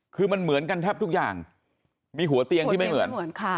คือมันเหมือนกันแทบทุกอย่างมีหัวเตียงที่ไม่เหมือนค่ะ